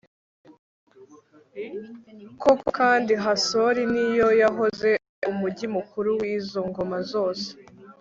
koko kandi hasori ni yo yahoze ari umugi mukuru w'izo ngoma zose